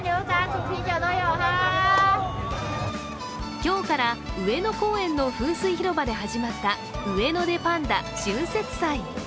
今日から上野公園の噴水広場で始まったウエノデ．パンダ春節祭。